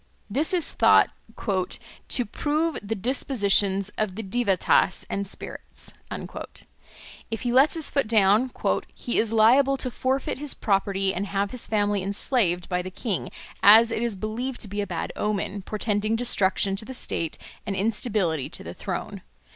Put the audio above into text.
This is thought "to prove the dispositions of the Devattas and spirits." If he lets his foot down "he is liable to forfeit his property and have his family enslaved by the king, as it is believed to be a bad omen, portending destruction to the state, and instability to the throne.